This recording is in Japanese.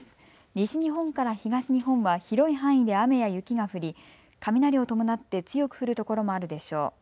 西日本から東日本は広い範囲で雨や雪が降り雷を伴って強く降る所もあるでしょう。